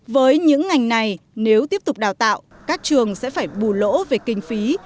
với những ngành này nếu tiếp tục đào tạo các trường sẽ phải bù lỗ về kinh phí